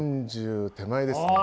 ４０手前ですね。